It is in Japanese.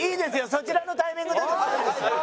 そちらのタイミングで。